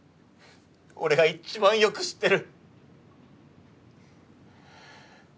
俺が一番よく知ってる。